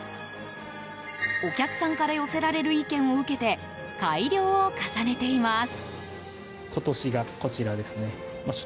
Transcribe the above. お客さんから寄せられる意見を受けて改良を重ねています。